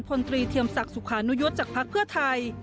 พลตรีเทียมศักดิ์สุขานุยศจากภักดิ์เพื่อไทย